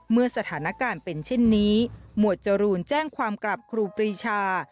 เมื่อสถานการณ์เป็นเช่นนี้หมวดจรูนแจ้งความกลับครูปรีชา